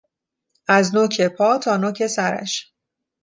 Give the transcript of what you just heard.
از نوک پا تا نوک سرش